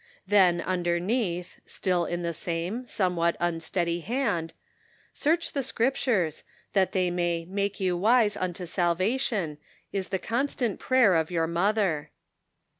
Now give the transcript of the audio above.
Then, underneath, still in the same, somewhat unsteady hand :" Search the Scrip tures,' that they may 'make you wise unto salvation,' is the constant prayer of your mother."